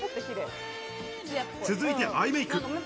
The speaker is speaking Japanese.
続いて、アイメイク。